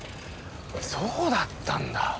そうだったんだ！